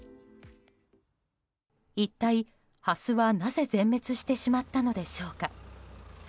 一体、ハスはなぜ全滅してしまったのでしょうか。